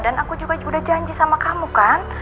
dan aku juga udah janji sama kamu kan